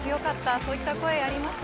そういった声がありました。